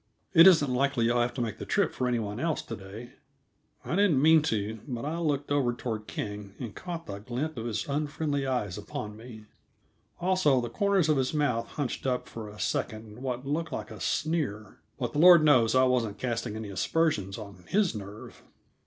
It isn't likely you'll have to make the trip for any body else to day." I didn't mean to, but I looked over toward King, and caught the glint of his unfriendly eyes upon me. Also, the corners of his mouth hunched up for a second in what looked like a sneer. But the Lord knows I wasn't casting any aspersions on his nerve.